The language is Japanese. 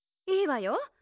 いいわよ。